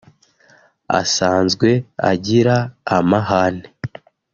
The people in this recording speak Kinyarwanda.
asanzwe agira amahane